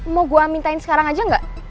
mau gue mintain sekarang aja nggak